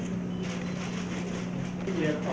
อ๋อไม่มีพิสิทธิ์